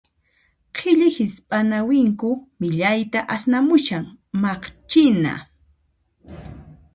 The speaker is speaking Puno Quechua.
Qhilli hisp'ana winku millayta asnamushan, maqchina.